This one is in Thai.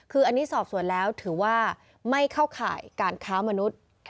คืออันนี้สอบส่วนแล้วถือว่าไม่เข้าข่ายการค้ามนุษย์